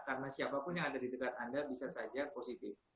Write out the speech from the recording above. karena siapapun yang ada di dekat anda bisa saja positif